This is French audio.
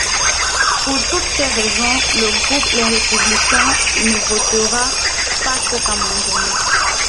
Pour toutes ces raisons, le groupe Les Républicains ne votera pas cet amendement.